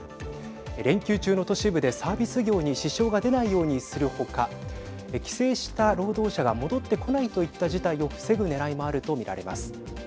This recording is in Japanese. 連休中の都市部でサービス業に支障が出ないようにする他帰省した労働者が戻ってこないといった事態を防ぐねらいもあると見られます。